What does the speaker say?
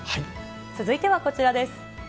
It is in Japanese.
続いてはこちらです。